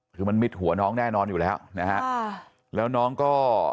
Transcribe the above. คือมันมิดหัวน้องแน่นอนอยู่แล้วนะฮะค่ะแล้วน้องก็